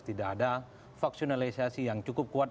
tidak ada vaksinalisasi yang cukup kuat